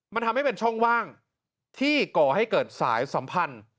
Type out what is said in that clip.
มันทำให้เป็นช่องว่างที่ก่อให้เกิดสายสัมพันธ์